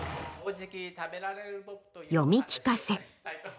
読み聞かせ。